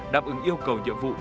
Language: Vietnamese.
đáp ứng yêu cầu nhiệm vụ